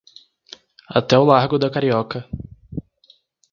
Até o largo da Carioca.